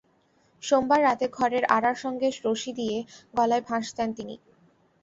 সোমবার রাতে ঘরের আড়ার সঙ্গে রশি দিয়ে গলায় ফাঁস দেন তিনি।